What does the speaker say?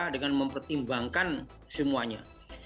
dengan mempertimbangkan semuanya